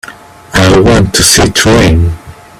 I want to see Train